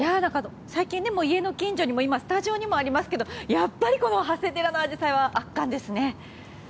最近、家の近所にも今はスタジオにもありますけどもやっぱり長谷寺のアジサイは圧巻ですね。